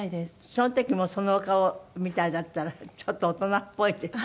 その時もそのお顔みたいだったらちょっと大人っぽいって。